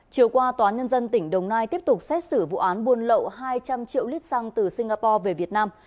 chiều qua tòa nhân dân tỉnh đồng nai tiếp tục xét xử vụ án buôn lậu hai trăm linh triệu lít xăng từ singapore về việt nam